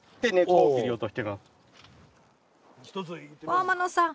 天野さん